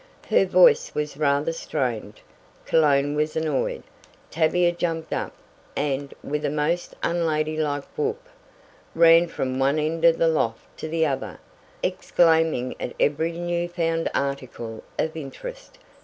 Her voice was rather strained, Cologne was annoyed. Tavia jumped up, and, with a most unladylike "whoop," ran from one end of the loft to the other, exclaiming at every new found article of interest.